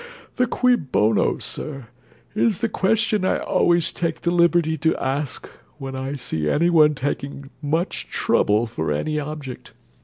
The cui bono, sir, is the question I always take the liberty to ask when I see any one taking much trouble for any object.